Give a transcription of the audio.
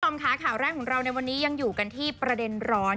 คุณผู้ชมค่ะข่าวแรกของเราในวันนี้ยังอยู่กันที่ประเด็นร้อน